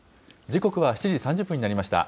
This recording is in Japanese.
時刻は７時３０分になりました。